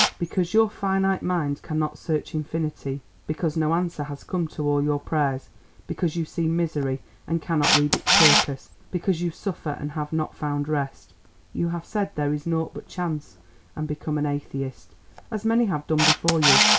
Because your finite mind cannot search infinity, because no answer has come to all your prayers, because you see misery and cannot read its purpose, because you suffer and have not found rest, you have said there is naught but chance, and become an atheist, as many have done before you.